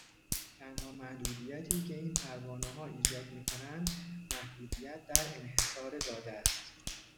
تنها محدودیتی که این پروانهها ایجاد میکنند، محدودیت در انحصار داده است